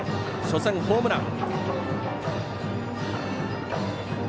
初戦、ホームラン。